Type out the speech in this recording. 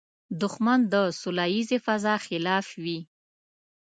دښمن د سولیزې فضا خلاف وي